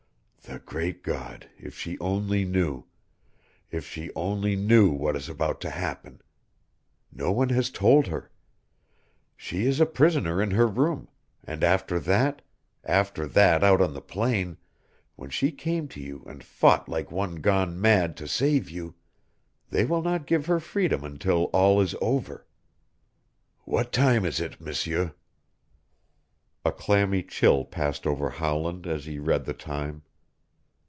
The great God, if she only knew if she only knew what is about to happen! No one has told her. She is a prisoner in her room, and after that after that out on the plain when she came to you and fought like one gone mad to save you they will not give her freedom until all is over. What time is it, M'seur?" A clammy chill passed over Howland as he read the time.